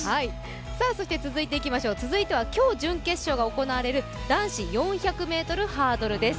続いては今日準決勝が行われる男子４００ｍハードルです。